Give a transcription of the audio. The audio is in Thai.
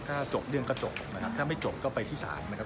ถ้าจบเรื่องก็จบนะครับถ้าไม่จบก็ไปที่ศาลนะครับ